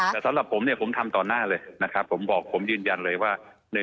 แต่สำหรับผมเนี่ยผมทำต่อหน้าเลยนะครับผมบอกผมยืนยันเลยว่า